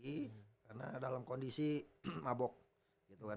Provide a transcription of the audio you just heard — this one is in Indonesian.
karena dalam kondisi mabok gitu kan